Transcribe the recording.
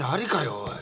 おい。